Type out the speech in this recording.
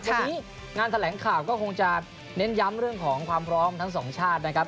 วันนี้งานแถลงข่าวก็คงจะเน้นย้ำเรื่องของความพร้อมทั้งสองชาตินะครับ